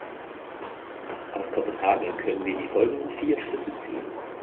Aus Kopenhagen können wir die folgenden vier Schlüsse ziehen.